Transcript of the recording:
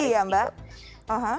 kasta tertinggi ya mbak